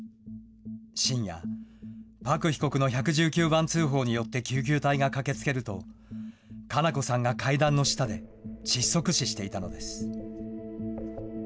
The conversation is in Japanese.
深夜、朴被告の１１９番通報によって救急隊が駆けつけると、佳菜子さんが階段の下で窒息死していたのです。